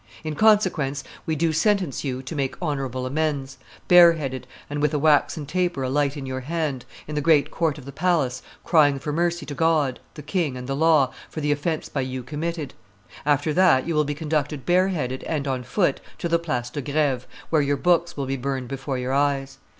In consequence, we do sentence you to make honorable amends, bareheaded and with a waxen taper alight in your hand, in the great court of the palace, crying for mercy to God, the king, and the law, for the offence by you committed. After that, you will be conducted bareheaded and on foot to the Place de Greve, where your books will be burned before your eyes.